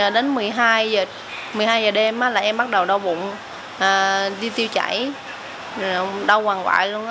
đến một mươi hai giờ đêm là em bắt đầu đau bụng đi tiêu chảy đau hoàng hoại luôn